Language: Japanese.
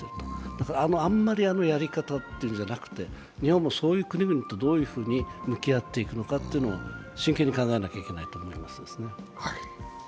だからあんまりあのやり方というんじゃなくて日本もそういう国々とどういうふうに向き合っていくのかを真剣に考えないといけないと思いますね。